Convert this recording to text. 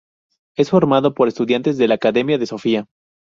Es formado por estudiantes de la Academia de Sofia.